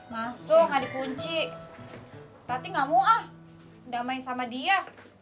masuk gak dikunci tapi gak mau ah damai sama dia